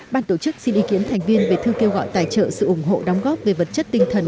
ban tổ chức xin ý kiến thành viên về thư kêu gọi tài trợ sự ủng hộ đóng góp về vật chất tinh thần